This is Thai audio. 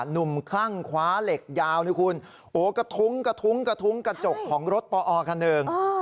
คลั่งคว้าเหล็กยาวนี่คุณโอ้กระทุ้งกระทุ้งกระทุ้งกระจกของรถปอคันหนึ่ง